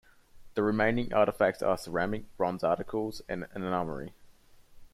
The remaining artifacts are ceramics, bronze articles and an armory.